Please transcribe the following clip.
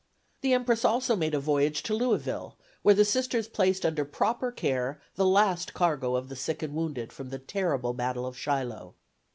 The "Empress" also made a voyage to Louisville, where the Sisters placed under proper care the last cargo of the sick and wounded from the terrible battle of Shiloh.